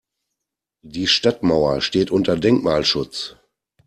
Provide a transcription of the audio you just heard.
Die Stadtmauer steht unter Denkmalschutz.